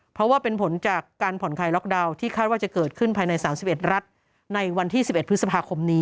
เพราะว่าเป็นผลจากการผ่อนคลายล็อกดาวน์ที่คาดว่าจะเกิดขึ้นภายใน๓๑รัฐในวันที่๑๑พฤษภาคมนี้